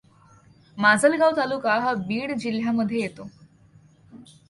माजलगाव तालुका हा बीड जिल्ह्यामध्ये येतो.